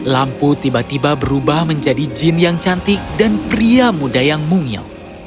lampu tiba tiba berubah menjadi jin yang cantik dan pria muda yang mungil